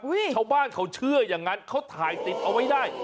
ชาวบ้านเขาเชื่ออย่างนั้นเขาถ่ายติดเอาไว้ได้